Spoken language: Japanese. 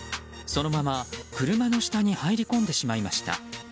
そのまま車の下に入り込んでしまいました。